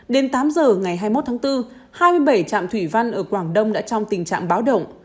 đến tám giờ ngày hai mươi một tháng bốn hai mươi bảy trạm thủy văn ở quảng đông đã trong tình trạng báo động